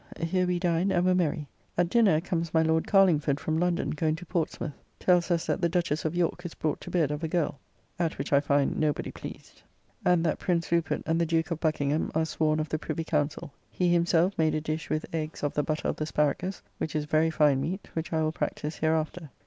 Here we dined and were merry. At dinner comes my Lord Carlingford from London, going to Portsmouth: tells us that the Duchess of York is brought to bed of a girl, [Mary, afterwards Queen of England.] at which I find nobody pleased; and that Prince Rupert and the Duke of Buckingham are sworn of the Privy Councell. He himself made a dish with eggs of the butter of the Sparagus, which is very fine meat, which I will practise hereafter.